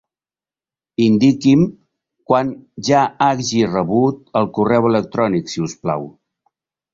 Indiqui'm quan ja hagi rebut el correu electrònic, si us plau.